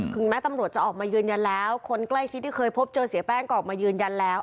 แม้ตำรวจจะออกมายืนยันแล้วคนใกล้ชิดที่เคยพบเจอเสียแป้งก็ออกมายืนยันแล้ว